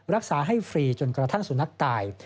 รักษาให้ฟรีจนกระทั่งสุนัขตาย